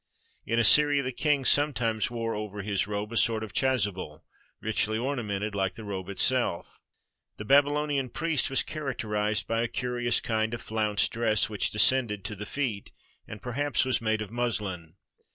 In Assyria the king some times wore over his robe a sort of chasuble, richly orna mented like the robe itself. The Babylonian priest was characterized by a curious kind of flounced dress which descended to the feet, and perhaps was made of muslin.